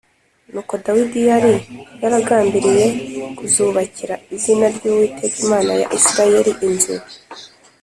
“Nuko data Dawidi yari yaragambiriye kuzubakira izina ry’Uwiteka Imana ya Isirayeli inzu,